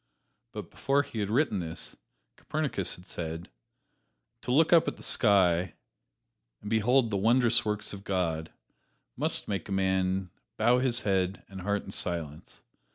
But before he had written this, Copernicus had said: "To look up at the sky, and behold the wondrous works of God, must make a man bow his head and heart in silence.